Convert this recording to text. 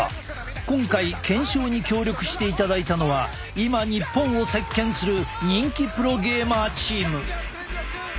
今回検証に協力していただいたのは今日本を席けんする人気プロゲーマーチーム。